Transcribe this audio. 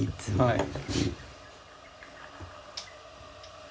はい。